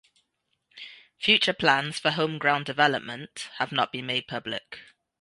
Future plans for home ground development have not been made public.